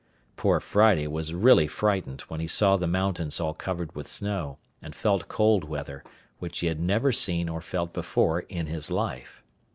Poor Friday was really frightened when he saw the mountains all covered with snow, and felt cold weather, which he had never seen or felt before in his life.